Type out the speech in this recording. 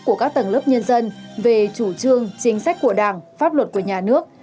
của các tầng lớp nhân dân về chủ trương chính sách của đảng pháp luật của nhà nước